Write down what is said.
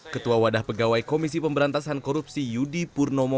ketua wadah pegawai komisi pemberantasan korupsi yudi purnomo